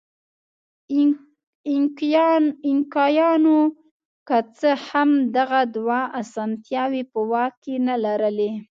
اینکایانو که څه هم دغه دوه اسانتیاوې په واک کې نه لرلې.